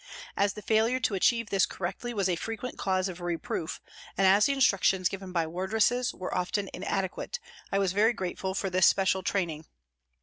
As the failure to achieve this correctly was a frequent cause of reproof and as the instructions given by wardresses were often inade quate I was very grateful for this special training.